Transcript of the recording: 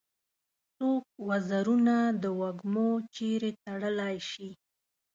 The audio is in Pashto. څوک وزرونه د وږمو چیري تړلای شي؟